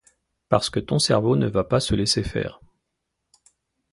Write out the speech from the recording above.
Parce que ton cerveau ne va pas se laisser faire.